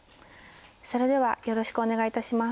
それではよろしくお願いいたします。